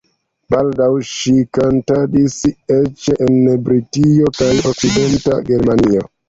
Baldaŭ ŝi kantadis eĉ en Britio kaj Okcidenta Germanio.